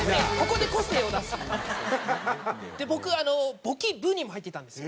で僕簿記部にも入っていたんですよ。